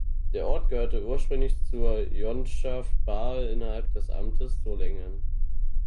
Der Ort gehörte ursprünglich zur Honschaft Barl innerhalb des Amtes Solingen.